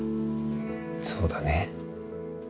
そうだね。